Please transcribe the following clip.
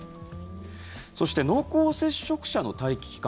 そして濃厚接触者の待機期間